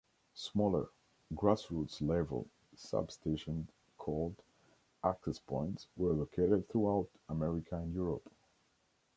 Smaller, "grass-roots"-level sub-stations called "Access Points" were located throughout America and Europe.